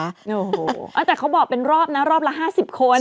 โอ้โหแต่เขาบอกเป็นรอบนะรอบละ๕๐คน